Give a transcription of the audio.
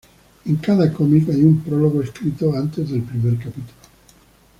En cada cómic hay un prólogo escrito antes del primer capítulo.